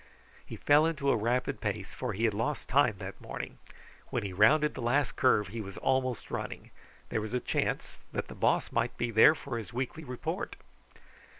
He fell into a rapid pace, for he had lost time that morning; when he rounded the last curve he was almost running. There was a chance that the Boss might be there for his weekly report.